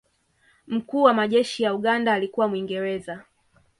mkuu wa majeshi ya uganda alikuwa mwingereza